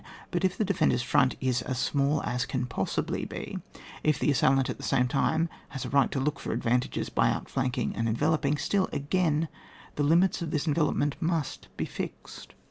But if the defenders' front is as small as can possibly be, if the assailant, at the same time, has a right to look for advantages by outflanking and en veloping, still, again, the limits of this envelopment must be fixed.